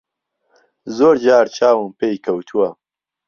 زۆر جار چاوم پێی کەوتووە.